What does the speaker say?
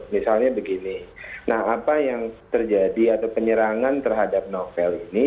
misalnya begini nah apa yang terjadi atau penyerangan terhadap novel ini